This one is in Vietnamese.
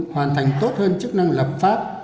hoàn thành tốt hơn chức năng lập pháp